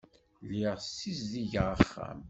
Lliɣ ssizdigeɣ axxam.